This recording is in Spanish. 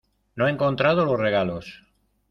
no he encontrado los regalos.